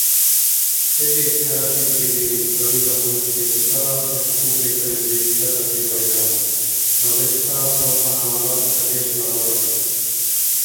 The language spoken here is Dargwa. Селис, хӀела пикрили, кабизахъурси нушала республикализиб сагаси байрам — Дагъиста халкьанала цадешла БархӀи?